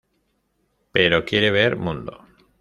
Pero quiere ver mundo.